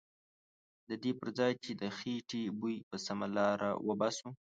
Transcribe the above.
ددې پرځای چې د خیټې بوی په سمه لاره وباسو.